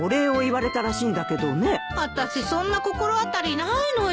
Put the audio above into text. あたしそんな心当たりないのよ。